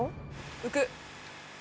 浮く。